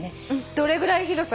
どれぐらい広さ。